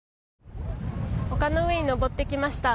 丘の上に登ってきました。